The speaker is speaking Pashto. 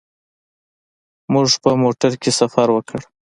موږ په موټر کې سفر وکړ.